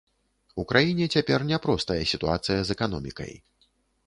У краіне цяпер няпростая сітуацыя з эканомікай.